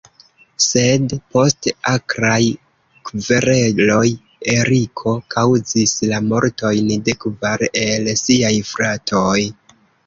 Sed post akraj kvereloj Eriko kaŭzis la mortojn de kvar el siaj fratoj.